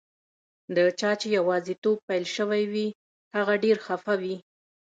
د چا چي یوازیتوب پیل شوی وي، هغه ډېر خفه وي.